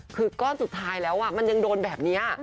คือก้อนสุดท้ายแล้วมันยังโดนแบบนี้